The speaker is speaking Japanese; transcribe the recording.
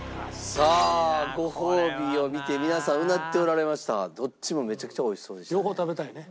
さあご褒美を見て皆さんうなっておられましたがどっちもめちゃくちゃ美味しそうでしたね。